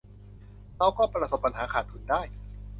เราก็ประสบปัญหาขาดทุนได้